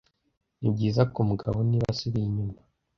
nibyiza kumugabo niba asubiye inyuma